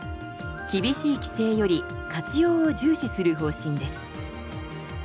厳しい規制より活用を重視する方針です。